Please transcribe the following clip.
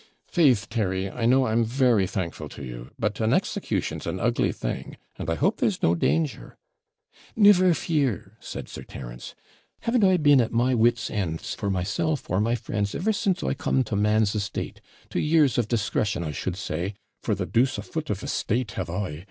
'Faith! Terry, I know I'm very thankful to you but an execution's an ugly thing and I hope there's no danger ' 'Never fear!' said Sir Terence: 'Haven't I been at my wits' ends for myself or my friends ever since I come to man's estate to years of discretion, I should say, for the deuce a foot of estate have I!